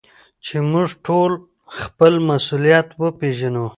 چي موږ ټول خپل مسؤليت وپېژنو.